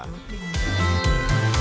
sampai jumpa di bioskop